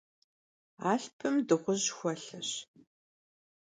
Алъпым дыгъужь хуэлъэщ.